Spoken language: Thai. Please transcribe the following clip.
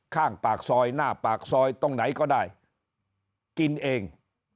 ข้างปากซอยหน้าปากซอยตรงไหนก็ได้กินเอง